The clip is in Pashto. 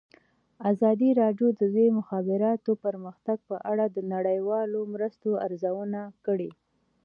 ازادي راډیو د د مخابراتو پرمختګ په اړه د نړیوالو مرستو ارزونه کړې.